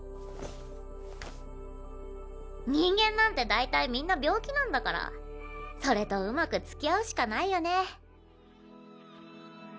人間なんてだいたいみんな病気なんだからそれとうまく付き合うしかないよね。